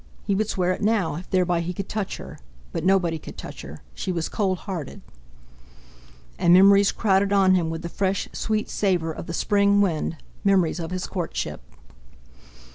He would swear it now, if thereby he could touch her—but nobody could touch her, she was cold hearted! And memories crowded on him with the fresh, sweet savour of the spring wind—memories of his courtship.